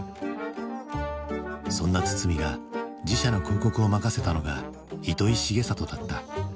そんな堤が自社の広告を任せたのが糸井重里だった。